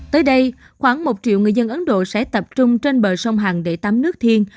tới đây khoảng một triệu người dân ấn độ sẽ tập trung trên bờ sông hằng để tắm nước thiên